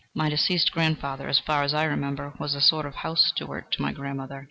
My deceased grandfather, as far as I remember, was a sort of house steward to my grandmother.